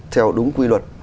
theo đúng quy luật